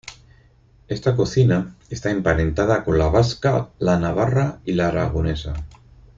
Esta cocina está emparentada con la vasca, la navarra y la aragonesa.